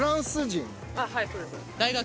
あっはいそうです。